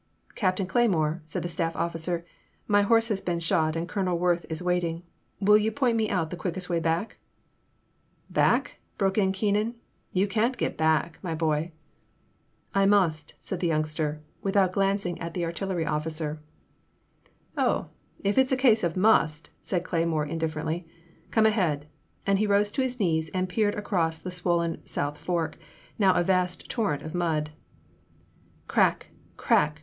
''Captain Cleymore,'* said the staff officer, " my horse has been shot and Colonel Worth is waiting. Will you point out to me the quickest way back ?*' "Back !" broke in Keenan, "you can't get back, my boy !" "I must," said the youngster, without glan cing at the artillery officer. " Oh, if it 's a case of must," said Cleymore in differently, "come ahead," and he rose to his knees and peered across the swollen South Fork, now a vast torrent of mud. Crack ! Crack